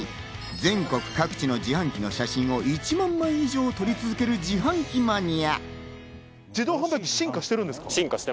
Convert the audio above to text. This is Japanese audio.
全国各地の自販機の写真を１万枚以上撮り続ける自販機マニア。